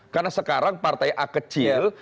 karena sekarang partai a kecil